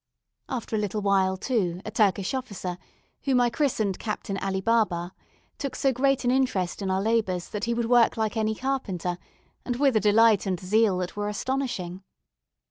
After a little while, too, a Turkish officer, whom I christened Captain Ali Baba, took so great an interest in our labours that he would work like any carpenter, and with a delight and zeal that were astonishing.